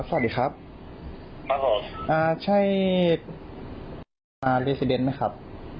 ไม่ได้เปิดเลยนะครับ